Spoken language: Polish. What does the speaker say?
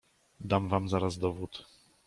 "Dam wam zaraz dowód."